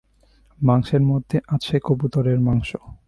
মাংসের মধ্যে আছে কবুতরের মাংস।